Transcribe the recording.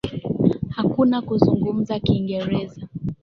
Hakuna kuzungumza kiingereza